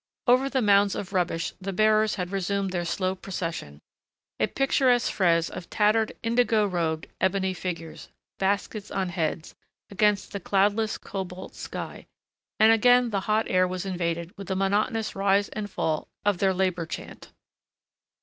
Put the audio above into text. Over the mounds of rubbish the bearers had resumed their slow procession, a picturesque frieze of tattered, indigo robed, ebony figures, baskets on heads, against a cloudless cobalt sky, and again the hot air was invaded with the monotonous rise and fall of their labor chant.